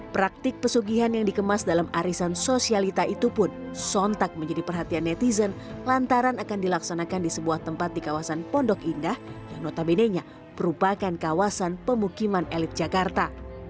praktik pesugihan yang dikemas dalam arisan sosialita itu pun sontak menjadi perhatian netizen lantaran akan dilaksanakan di sebuah tempat di kawasan pondok indah yang notabenenya merupakan kawasan pemukiman elit jakarta